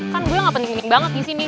kan gue gak penting penting banget disini